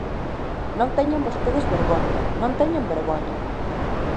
Non teñen vostedes vergoña, ¡non teñen vergoña!